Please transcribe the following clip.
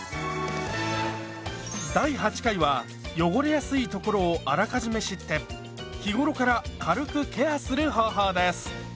第８回は汚れやすい所をあらかじめ知って日頃から軽くケアする方法です。